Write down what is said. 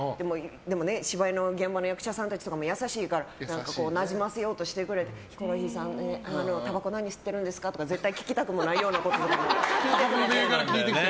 でもね、芝居の現場の役者さんたちとかも優しいからなじませようとしてくれてヒコロヒーさんたばこ何吸ってるんですかとか絶対聞きたくもないようなことを聞いてくれて。